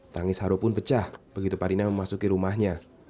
tangis haru pun pecah begitu parinah memasuki rumahnya